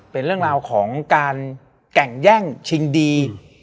เป็นเรื่องราวของการแก่งแย่งชิงดี